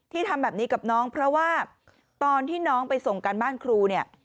ทำแบบนี้กับน้องเพราะว่าตอนที่น้องไปส่งการบ้านครูเนี่ย